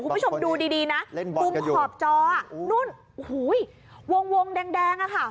คุณผู้ชมดูดีนะบุมขอบจอโวงแดงอ่ะค่ะ